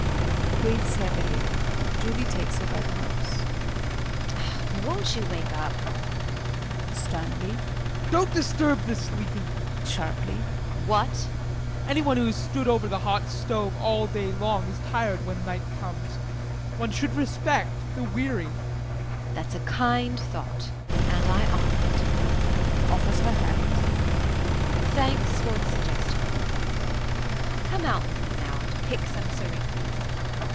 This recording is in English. [Breathes heavily. Julie takes her by the nose.] JULIE. Won't you wake up? JEAN [Sternly]. Don't disturb the sleeping. JULIE [Sharply]. What? JEAN. Anyone who has stood over the hot stove all day long is tired when night comes. One should respect the weary. JULIE. That's a kind thought and I honor it. [Offers her hand.] Thanks for the suggestion. Come out with me now and pick some syringas.